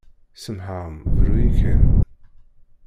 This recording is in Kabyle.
Semmḥeɣ-am bru-yi kan.